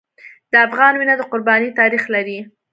د افغان وینه د قربانۍ تاریخ لري.